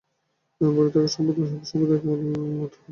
আমি বলি, সকল ধর্মসম্প্রদায়ই এক মূল সত্যের বিভিন্ন বিকাশমাত্র।